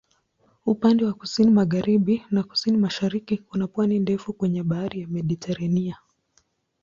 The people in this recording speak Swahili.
Upande wa kusini-magharibi na kusini-mashariki kuna pwani ndefu kwenye Bahari ya Mediteranea.